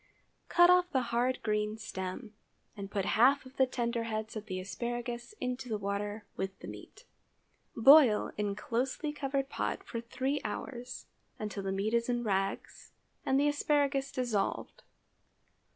Cut off the hard green stem, and put half of the tender heads of the asparagus into the water with the meat. Boil in closely covered pot for three hours, until the meat is in rags and the asparagus dissolved.